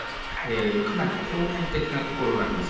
かなりこう表面的なところがあります。